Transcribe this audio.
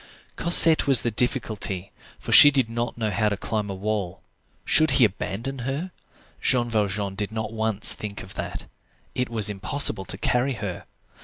Cosette was the difficulty, for she did not know how to climb a wall. Should he abandon her? Jean Valjean did not once think of that. It was impossible to carry her.